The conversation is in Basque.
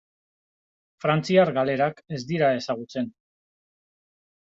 Frantziar galerak ez dira ezagutzen.